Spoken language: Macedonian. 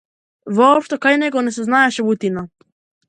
Воопшто кај него не се знаеше лутина.